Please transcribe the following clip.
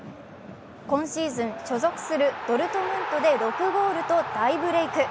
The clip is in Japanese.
今シーズン所属するドルトムントで６ゴールと大ブレーク。